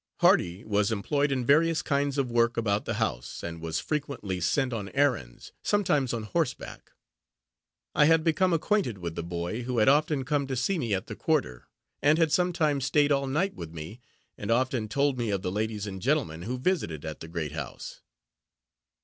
Hardy was employed in various kinds of work about the house, and was frequently sent on errands; sometimes on horseback. I had become acquainted with the boy, who had often come to see me at the quarter, and had sometimes staid all night with me, and often told me of the ladies and gentlemen who visited at the great house.